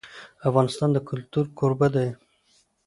افغانستان د کلتور کوربه دی.